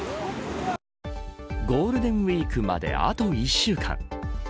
ゴールデンウイークまであと１週間。